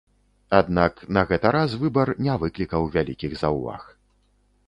Аднак на гэта раз выбар не выклікаў вялікіх заўваг.